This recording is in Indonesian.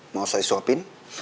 mau saya suapin